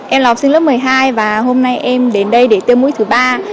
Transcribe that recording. em là học sinh lớp một mươi hai và hôm nay em đến đây để tiêm mũi thứ ba